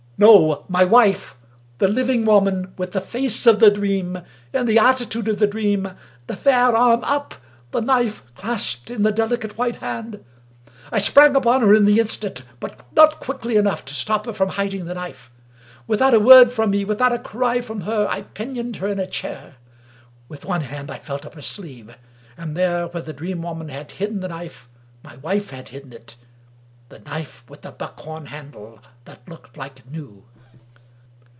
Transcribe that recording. No! My wife. The liv ing woman, with the face of the Dream — ^in the attitude of the Dream — ^the fair arm up; the knife clasped in the delicate white hand. I sprang upon her on the instant ; but not quickly enough to stop her from hiding the knife. Without a word from me, without a cry from her, I pinioned her in a chair. With one hand I felt up her sleeve ; and there, where the Dream 251 English Mystery Stories Woman had hidden the knife, my wife had hidden it — ^the knife with the buckhorn handle, that looked like new.